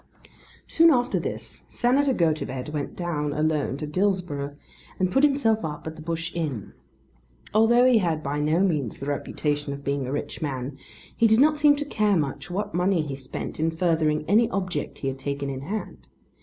Soon after this Senator Gotobed went down, alone, to Dillsborough and put himself up at the Bush Inn. Although he had by no means the reputation of being a rich man, he did not seem to care much what money he spent in furthering any object he had taken in hand.